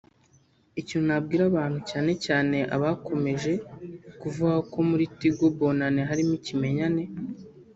“ Ikintu nabwira abantu cyane cyane abakomeje kuvuga ko muri Tigo Bonane harimo ikimenyane